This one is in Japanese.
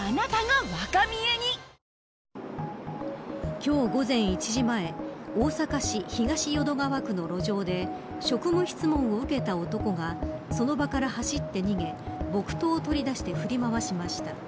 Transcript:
今日、午前１時前大阪市東淀川区の路上で職務質問を受けた男がその場から走って逃げ木刀を取り出して振り回しました。